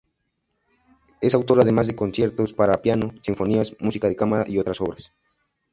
Es autor además de conciertos para piano, sinfonías, música de cámara y otras obras.